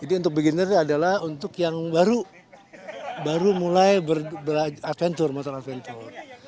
jadi untuk beginner adalah untuk yang baru baru mulai adventure motor adventure